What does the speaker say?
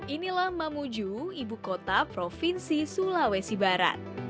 inilah mamuju ibu kota provinsi sulawesi barat